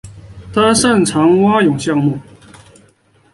他擅长蛙泳项目。